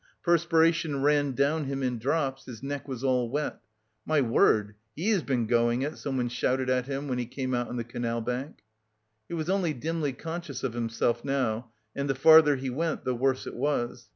Perspiration ran down him in drops, his neck was all wet. "My word, he has been going it!" someone shouted at him when he came out on the canal bank. He was only dimly conscious of himself now, and the farther he went the worse it was.